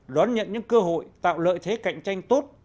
đón nhận những cơ hội tạo lợi thế cạnh tranh tốt